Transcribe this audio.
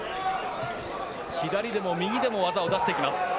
左でも右でも技を出してきます。